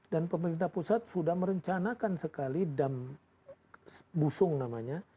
dan pemerintah pusat sudah merencanakan sekali dam busung namanya